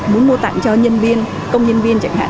muốn mua tặng cho nhân viên công nhân viên chẳng hạn